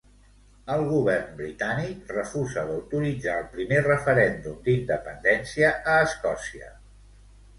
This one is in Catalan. El govern britànic refusa d'autoritzar el primer referèndum d'independència a Escòcia.